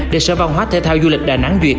để sở văn hóa thể thao du lịch đà nẵng duyệt